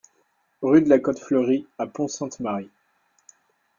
Rue de la Cote Fleurie à Pont-Sainte-Marie